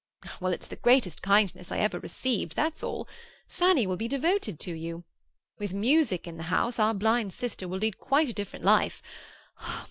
Well, it's the greatest kindness I ever received, that's all. Fanny will be devoted to you. With music in the house, our blind sister will lead quite a different life.